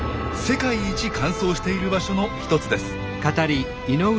世界一乾燥している場所の一つです。